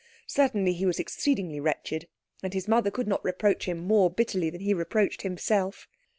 Certainly he was exceedingly wretched, and his mother could not reproach him more bitterly than he reproached himself.